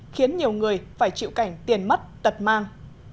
khiến nhiều người phải chịu cảnh tiền mất tật mang